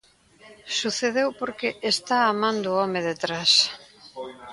Sucedeu porque está a man do home detrás.